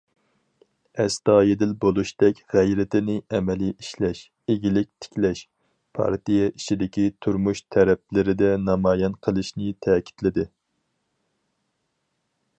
‹‹ ئەستايىدىل›› بولۇشتەك غەيرىتىنى ئەمەلىي ئىشلەش، ئىگىلىك تىكلەش، پارتىيە ئىچىدىكى تۇرمۇش تەرەپلىرىدە نامايان قىلىشنى تەكىتلىدى.